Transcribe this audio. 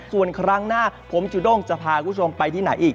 ส่วนครั้งหน้าผมจุด้งจะพาคุณผู้ชมไปที่ไหนอีก